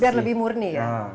biar lebih murni